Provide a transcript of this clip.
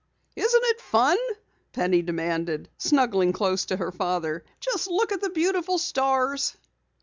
"Isn't it fun?" Penny demanded, snuggling close to her father. "Just look at the beautiful stars!"